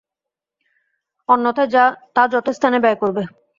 অন্যথায় তা যথাস্থানে ব্যয় করবে।